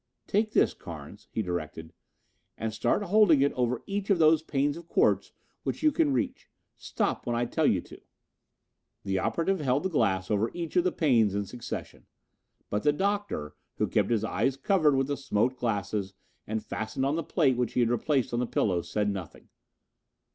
"Take this, Carnes," he directed, "and start holding it over each of those panes of quartz which you can reach. Stop when I tell you to." The operative held the glass over each of the panes in succession, but the Doctor, who kept his eyes covered with the smoked glasses and fastened on the plate which he had replaced on the pillow, said nothing.